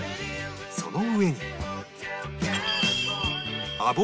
その上に